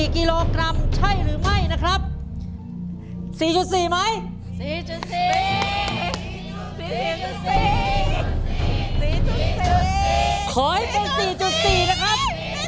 ๔๔กิโลกรัมใช่หรือไม่นะครับ